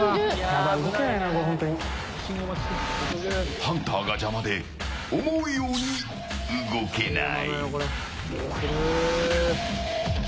ハンターが邪魔で思うように動けない。